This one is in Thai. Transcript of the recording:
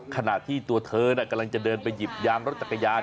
ขณะที่ตัวเธอกำลังจะเดินไปหยิบยางรถจักรยาน